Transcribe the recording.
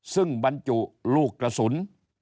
ซึ่งบรรจุลูกกระสุน